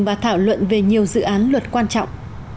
và thảo luận về nhiều dự án luật quan trọng